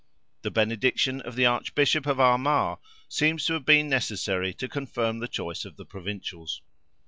The benediction of the Archbishop of Armagh, seems to have been necessary to confirm the choice of the Provincials.